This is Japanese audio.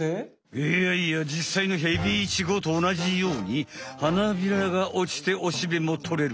いやいやじっさいのヘビイチゴとおなじように花びらがおちておしべもとれる。